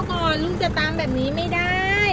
โดยจิตตามแบบนี้ไม่ได้